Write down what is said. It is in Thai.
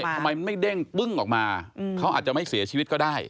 ทำไมมันไม่เด้งปึ้งออกมาเขาอาจจะไม่เสียชีวิตก็ได้